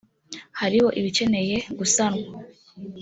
hariho ibikeneye gusanwa